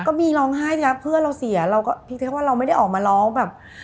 ก็มีร้องไห้ใช่ไหมครับเพื่อนเราเสียเราก็พิเศษว่าเราไม่ได้ออกมาร้องแบบ